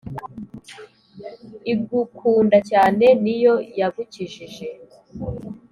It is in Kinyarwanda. igukunda cyane. niyo yagukijije